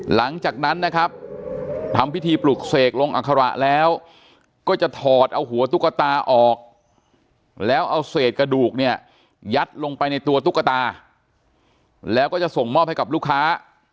หลังจากนั้นนะครับทำพิธีปลุกเสกลงอัคระแล้วก็จะถอดเอาหัวตุ๊กตาออกแล้วเอาเศษกระดูกเนี่ยยัดลงไปในตัวตุ๊กตาแล้วก็จะส่งมอบให้กับลูกค้า